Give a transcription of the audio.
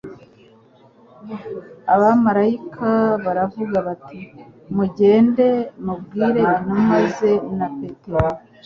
Abamaraika baravuga bati : "Mugende mubwire intumwa ze na Petero"